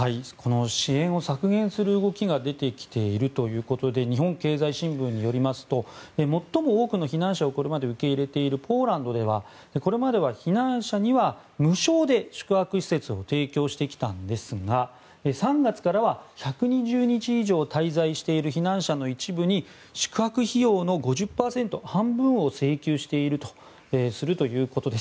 支援を削減する動きが出てきているということで日本経済新聞によりますと最も多くの避難者を受け入れているポーランドではこれまでは避難者には無償で宿泊施設を提供してきたんですが３月からは１２０日以上滞在している避難者の一部に宿泊費用の５０％、半分を請求するということです。